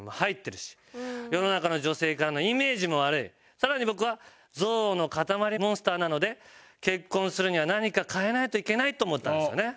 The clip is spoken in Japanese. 更に僕は憎悪の塊モンスターなので結婚するには何か変えないといけないと思ったんですよね。